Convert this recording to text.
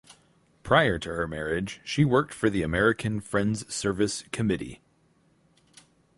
Prior to her marriage she worked for the American Friends Service Committee.